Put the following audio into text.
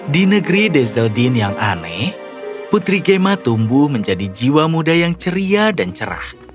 di negeri deseldine yang aneh putri gemma tumbuh menjadi jiwa muda yang ceria dan cerah